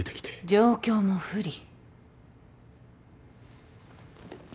状況も不利。